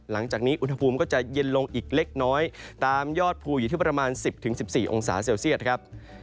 หลังจากนี้อุณหภูมิก็จะเย็นลงอีกเล็กน้อยตามยอดภูอยู่ที่ประมาณ๑๐๑๔องศาเซลเซียตครับ